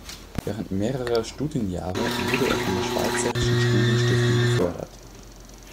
Während mehrerer Studienjahre wurde er von der Schweizerischen Studienstiftung gefördert.